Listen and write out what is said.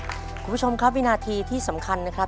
คุณผู้ชมครับวินาทีที่สำคัญนะครับ